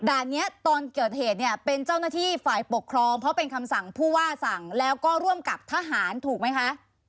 นี้ตอนเกิดเหตุเนี่ยเป็นเจ้าหน้าที่ฝ่ายปกครองเพราะเป็นคำสั่งผู้ว่าสั่งแล้วก็ร่วมกับทหารถูกไหมคะ